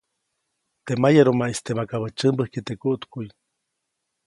Teʼ mayarumaʼiste makabäʼ tsyämbäjkye teʼ kuʼtkuʼy.